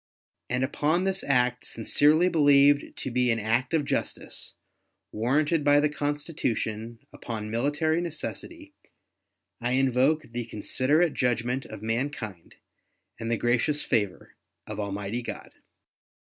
And upon this act, sincerely believed to be an act of justice, warranted by the Constitution, upon military necessity, I invoke the considerate judgment of mankind and the gracious favor of Almighty God.